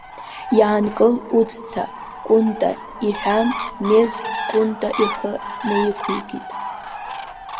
Иаанкыл уаҵәца, Кәынта, — иҳәан, Мез Кәынта ихы наиқәикит.